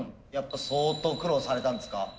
やっぱ相当苦労されたんですか？